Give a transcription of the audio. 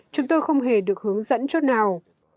chúng tôi không hề được hướng dẫn chỗ nào